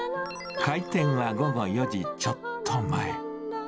開店は午後４時ちょっと前。